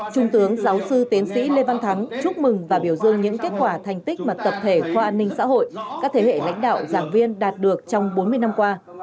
chúc mừng và biểu dương những kết quả thành tích mà tập thể khoa an ninh xã hội các thế hệ lãnh đạo giảng viên đạt được trong bốn mươi năm qua